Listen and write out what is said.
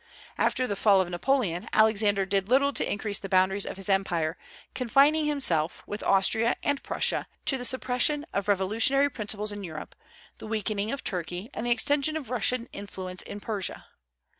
After the fall of Napoleon, Alexander did little to increase the boundaries of his empire, confining himself, with Austria and Prussia, to the suppression of revolutionary principles in Europe, the weakening of Turkey, and the extension of Russian influence in Persia.